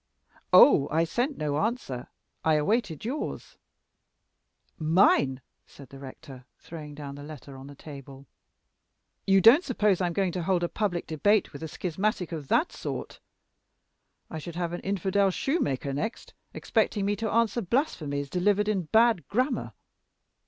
"Oh, I sent no answer. I awaited yours." "Mine!" said the rector, throwing down the letter on the table. "You don't suppose I'm going to hold a public debate with a schismatic of that sort? I should have an infidel shoemaker next expecting me to answer blasphemies delivered in bad grammar."